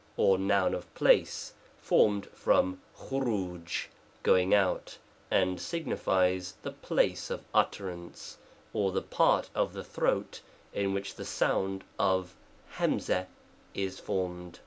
} or noun of place, formed from p9}^ going out ; and signifies the place of utterance, or the part of the throat in which the sound of r is formed.